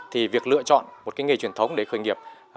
thì việc lựa chọn một cái nghề truyền thống để khởi nghiệp